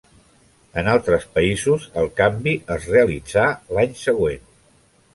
En altres països el canvi es realitzà l'any següent.